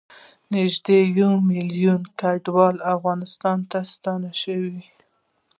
نږدې یوه میلیون کډوال افغانستان ته ستانه شوي